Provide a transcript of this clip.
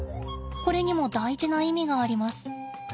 これにも大事な意味があります。